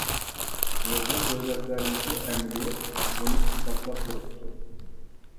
نۇرغۇن دۆلەتلەردىكى ئەمەلىيەت بۇنى ئىسپاتلاپ تۇرۇپتۇ.